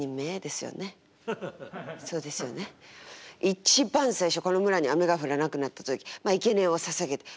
一番最初この村に雨が降らなくなった時まあいけにえをささげて。